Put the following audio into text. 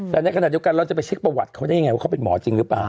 แต่ในขณะอยู่กันเราจะไปคิดประวัติได้ไงเขาเป็นหมอจริงรึเปล่า